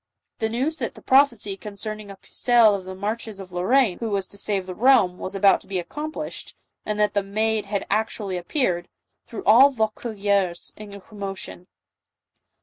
The news that the prophecy concerning a Pucelle of the marches of Lorraine who was to save the realm, was about to be accomplished, and that the Maid had actu ally appeared, threw all Vaucouleurs in commotion.